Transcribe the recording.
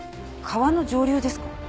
川の上流ですか？